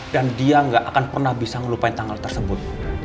dan dia gak akan pernah bisa ngelupain tanggal tersebut